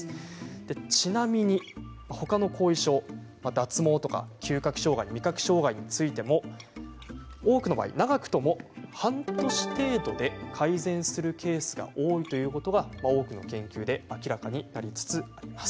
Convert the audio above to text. ちなみに脱毛や味覚、嗅覚障害などについても多くの場合長くても半年程度で改善するケースが多いということが多くの研究で明らかになりつつあります。